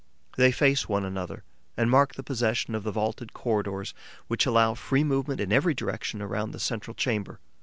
They face one another and mark the position of the vaulted corridors which allow free movement in every direction around the central chamber.